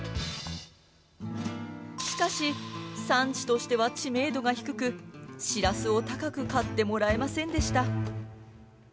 しかし産地としては知名度が低くシラスを高く買ってもらえませんでした。